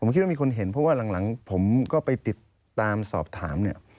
ผมคิดว่ามีคนเห็นเพราะว่าหลังผมก็ไปติดตามสอบถามเนี่ย